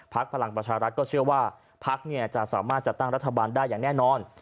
พลังประชารัฐก็เชื่อว่าพักจะสามารถจัดตั้งรัฐบาลได้อย่างแน่นอน